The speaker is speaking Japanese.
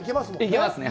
行けますね。